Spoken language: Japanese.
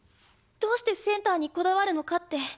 どうしてセンターにこだわるのかって。